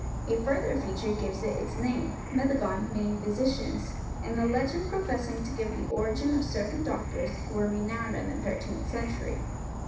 A further feature gives it its name, Meddygon meaning physicians, and the legend professing to give the origin of certain doctors who were renowned in the thirteenth century.